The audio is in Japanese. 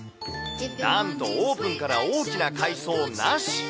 なんとオープンから大きな改装なし。